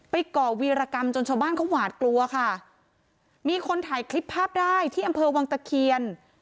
ก่อวีรกรรมจนชาวบ้านเขาหวาดกลัวค่ะมีคนถ่ายคลิปภาพได้ที่อำเภอวังตะเคียน